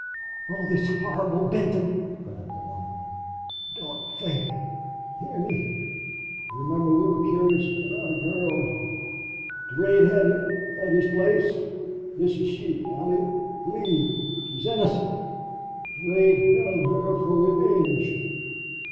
"Oh, this horrible Benton!" cried the woman. "Don't faint... Hear me. You remember we were curious about a girl Durade had in his place. This is she Allie Lee. She is innocent. Durade held her for revenge.